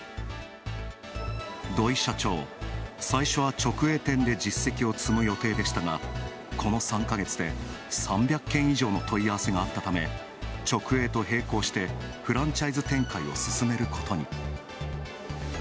土肥社長、最初は直営店で実績を積む予定でしたがこの３か月で３００件以上の問い合わせがあったため直営と並行してフランチャイズ展開を進めることに。